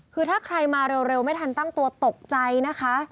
คือถ้าใครมาเร็วไม่ทันตั้งตัวตกใจนะคะ